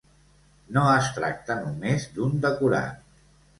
No es tracta només d'un decorat.